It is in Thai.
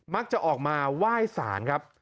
มักจะออกมาไหว้สารครับ